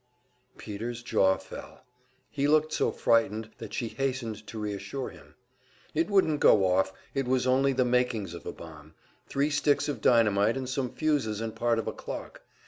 Peter's jaw fell. He looked so frightened that she hastened to reassure him. It wouldn't go off; it was only the makings of a bomb, three sticks of dynamite and some fuses and part of a clock.